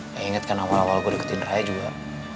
ya inget kan awal awal gue diketiin raya juga